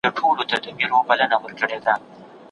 کارګرانو د خپلو حقوقو د خوندیتوب لپاره اتحادیې درلودې.